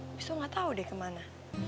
abis itu gak tau deh kemana